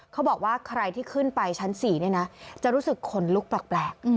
เขาบอกว่าใครที่ขึ้นไปชั้น๔เนี่ยนะจะรู้สึกขนลุกแปลก